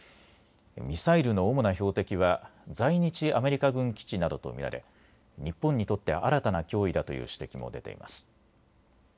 ミサイルの主な標的は在日アメリカ軍基地などと見られ日本にとって新たな脅威だという指摘も出ています。